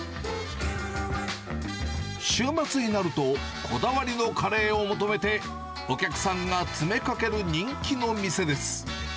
週末になると、こだわりのカレーを求めて、お客さんが詰めかける人気の店です。